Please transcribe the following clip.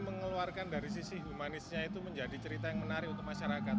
mengeluarkan dari sisi humanisnya itu menjadi cerita yang menarik untuk masyarakat